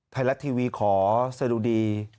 ไทยรักทีวีขอเสดูกดี